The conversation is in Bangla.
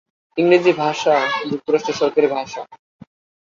ইংরেজি ভাষা যুক্তরাজ্যের সরকারি ভাষা।